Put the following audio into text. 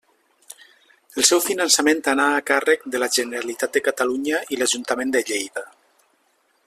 El seu finançament anà a càrrec de la Generalitat de Catalunya i l'Ajuntament de Lleida.